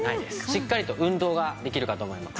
しっかりと運動ができるかと思います。